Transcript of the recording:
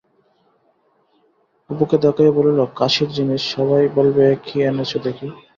অপুকে দেখাইয়া বলিল, কাশীর জিনিস, সবাই বলবে কি এনেচ দেখি!